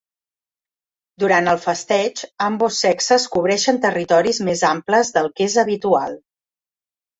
Durant el festeig, ambdós sexes cobreixen territoris més amples del que és habitual.